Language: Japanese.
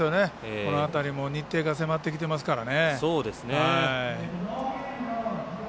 この辺りも、日程が迫ってきていますからね。